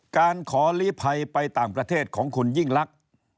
การขอลีภัยไปต่างประเทศของคุณยิ่งลักษณ์